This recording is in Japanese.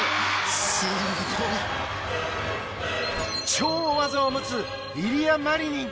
超大技を持つイリア・マリニン